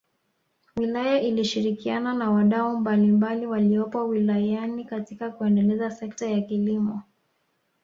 Wilaya inashirikiana na wadau mbalimbali waliopo wilayani katika kuendeleza sekta ya kilimo